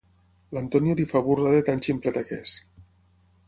L'Antonio li fa burla de tant ximpleta que és.